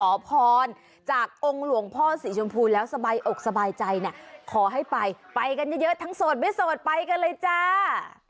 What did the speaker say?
ขอพรจากองค์หลวงพ่อสีชมพูแล้วสบายอกสบายใจเนี่ยขอให้ไปไปกันเยอะทั้งโสดไม่โสดไปกันเลยจ้า